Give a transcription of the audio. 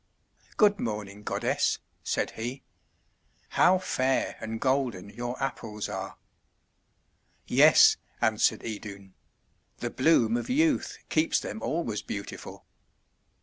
"Good morning, goddess," said he. "How fair and golden your Apples are!" "Yes," answered Idun; "the bloom of youth keeps them always beautiful."